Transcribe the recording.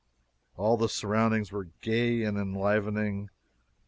All the surroundings were gay and enlivening.